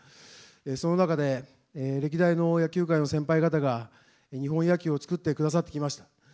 その中で、歴代の野球界の先輩方が、日本野球を作ってくださってきました。